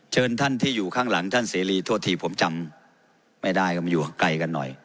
เชิญท่านที่อยู่ข้างหลังท่านเสรีโทษทีผมจำไม่ได้ก็มาอยู่ไกลกันหน่อย